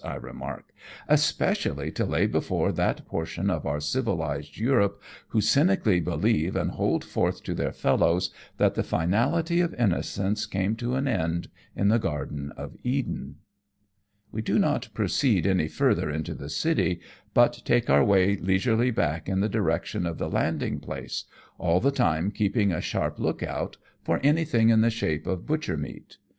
I remark ;" especially to lay before that portion of our civilized Europe who cynically believe and hold forth to their fellows that the finality of innocence came to an end in the Garden of Eden." We do not proceed any further into the city, but take our way leisurely back in the direction of the landing place, all the time keeping a sharp look out for anjrthing in the shape of butcher meat.